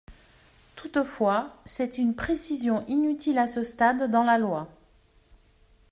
Toutefois, c’est une précision inutile à ce stade dans la loi.